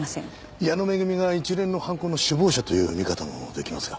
矢野恵が一連の犯行の首謀者という見方もできますが。